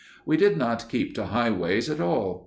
We did not keep to highways at all.